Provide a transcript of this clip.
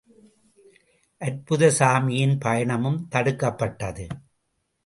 அற்புதசாமியின் பயணமும் தடுக்கப்பட்டது.